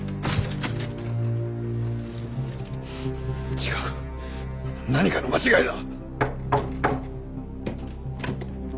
違う何かの間違いだ！